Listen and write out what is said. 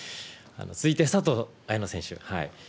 続いて佐藤綾乃選手。